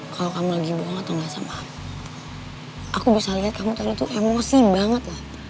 kalau kamu lagi bohong atau nggak sama aku bisa lihat kamu tau tuh emosi banget lah